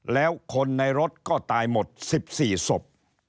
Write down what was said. แล้วคนในรถก็ตายหมด๑๔ศพ